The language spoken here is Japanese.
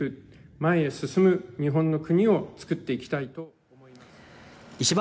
前へ進む日本の国を作っていきたいと思います。